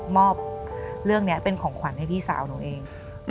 เรื่องนี้เป็นของขวัญให้พี่สาวหนูเอง